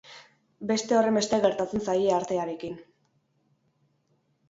Beste horrenbeste gertatzen zaie artearekin.